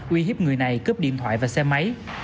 uy hiếp người này cướp điện thoại và xe máy